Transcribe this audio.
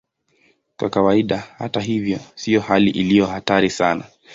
Kwa kawaida, hata hivyo, sio hali iliyo hatari sana.